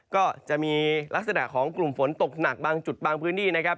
ก็จะมีลักษณะของกลุ่มฝนตกหนักบางจุดบางพื้นที่นะครับ